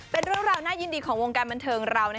เป็นเรื่องราวน่ายินดีของวงการบันเทิงเรา